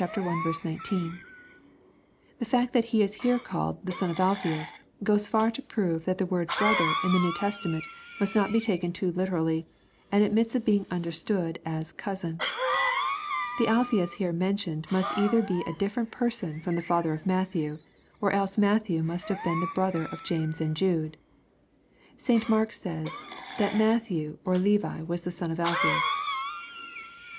The fact that he is here called the " son of Alphseus," goes far to prove that the word "brother" in the New Testament must not be taken too literally, and admits of being understood as " cousin." The Alphseus here mentioned must either be a difierent person from the father of Matthew, or else Matthew must have been brother of James and Jude. St. Mark says, that Matthew or Levi was the son of Alphaeus.